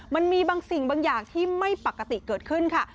มันมีบางสิ่งบางอย่างที่ไม่ปกติเกิดขึ้นค่ะ